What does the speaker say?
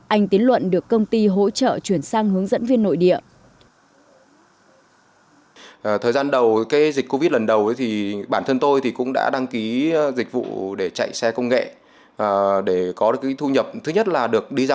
anh tiến luận được công ty hỗ trợ chuyển sang hướng dẫn viên nội địa